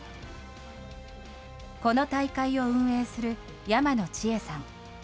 この大会を運営する山野千枝さん。